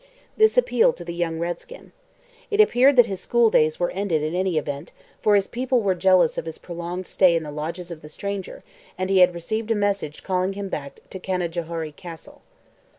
This appealed to the young redskin. It appeared that his schooldays were ended in any event, for his people were jealous of his prolonged stay in the lodges of the stranger and he had received a message calling him back to Canajoharie Castle.